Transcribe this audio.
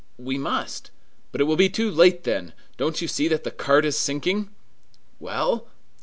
"We must!" "But it will be too late then! Don't you see that the cart is sinking?" "Well!"